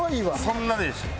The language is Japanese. そんなでしたよ。